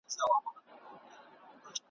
چي له لیري یې خوني پړانګ سو تر سترګو ,